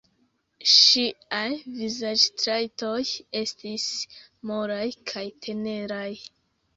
Ŝiaj vizaĝtrajtoj estis molaj kaj teneraj.